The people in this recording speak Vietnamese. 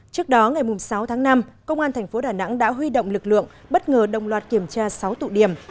trước đó ngày sáu tháng năm công an thành phố đà nẵng đã huy động lực lượng bất ngờ đồng loạt kiểm tra sáu tụ điểm